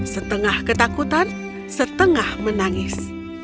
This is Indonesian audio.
setengah ketakutan setengah menangis